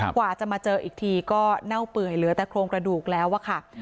กว่าจะมาเจออีกทีก็เน่าเปื่อยเหลือแต่โครงกระดูกแล้วอะค่ะ